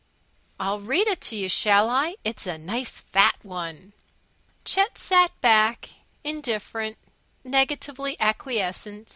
"I'll read it to you, shall I? It's a nice fat One." Chet sat back, indifferent, negatively acquiescent.